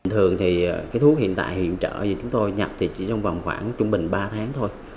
thường thì cái thuốc hiện tại hiện trợ thì chúng tôi nhập thì chỉ trong vòng khoảng trung bình ba tháng thôi